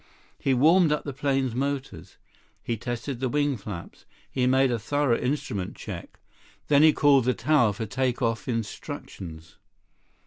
He warmed up the plane's motors. He tested the wing flaps. He made a thorough instrument check. Then he called the tower for take off instructions.